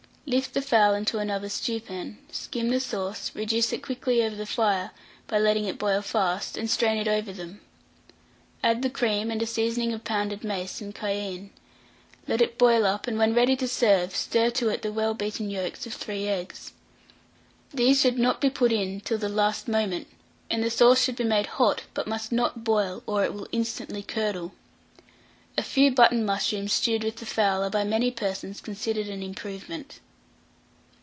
Lift the fowl into another stewpan, skim the sauce, reduce it quickly over the fire, by letting it boil fast, and strain it over them. Add the cream, and a seasoning of pounded mace and cayenne; let it boil up, and when ready to serve, stir to it the well beaten yolks of 3 eggs: these should not be put in till the last moment, and the sauce should be made hot, but must not boil, or it will instantly curdle. A few button mushrooms stewed with the fowl are by many persons considered an improvement.